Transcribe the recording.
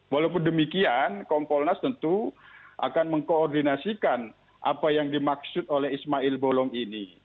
walaupun demikian kompolnas tentu akan mengkoordinasikan apa yang dimaksud oleh ismail bolong ini